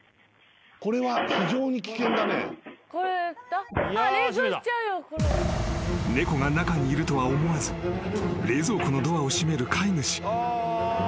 新「グリーンズフリー」［猫が中にいるとは思わず冷蔵庫のドアを閉める飼い主］